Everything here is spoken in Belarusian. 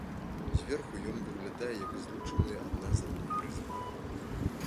Зверху ён выглядае як злучаныя адна з адной прызмы.